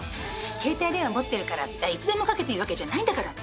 携帯電話持ってるからっていつでもかけていいわけじゃないんだからね。